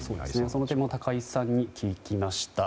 その辺も高井さんに聞きました。